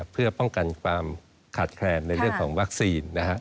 เพื่อป้องกันความขาดแคลนในเรื่องของวัคซีน